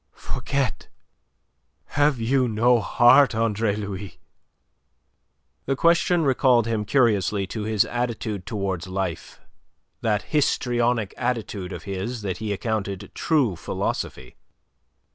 "Forget? Have you no heart, Andre Louis?" The question recalled him curiously to his attitude towards life that histrionic attitude of his that he accounted true philosophy.